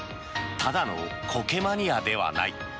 ただのコケマニアではない。